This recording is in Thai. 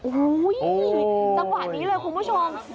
อู๊ยถังหวะนี้เลยคุณผู้ชม